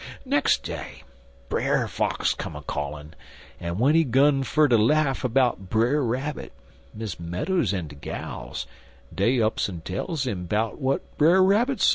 "Nex' day, Brer Fox cum a callin', and w'en he gun fer ter laugh 'bout Brer Rabbit, Miss Meadows en de gals, dey ups en tells 'im 'bout w'at Brer Rabbit Say.